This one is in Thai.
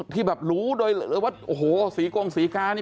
ที่แบบรู้โดยเลยว่าโอ้โหศรีกงศรีกานี่